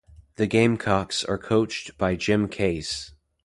The Gamecocks are coached by Jim Case.